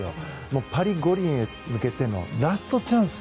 パリ五輪へ向けてのラストチャンス。